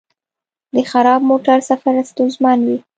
د خراب موټر سفر ستونزمن وي.